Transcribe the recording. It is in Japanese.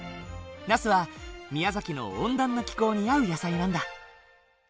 ナスは宮崎の温暖な気候に合う野菜なんだ。